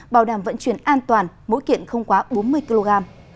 bảo đảm vận chuyển an toàn mỗi kiện không quá bốn mươi kg